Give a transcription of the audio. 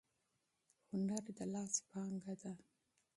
هنر د لاس پانګه ده.